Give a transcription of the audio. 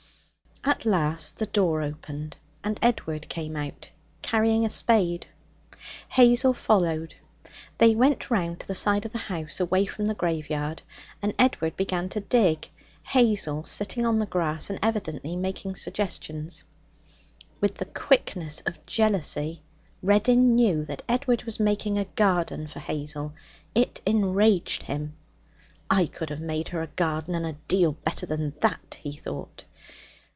At last the door opened, and Edward came out carrying a spade. Hazel followed. They went round to the side of the house away from the graveyard, and Edward began to dig, Hazel sitting on the grass and evidently making suggestions. With the quickness of jealousy, Reddin knew that Edward was making a garden for Hazel. It enraged him. 'I could have made her a garden, and a deal better than that!' he thought.